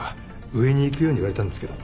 上に行くように言われたんですけど。